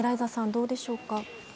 どうでしょうか？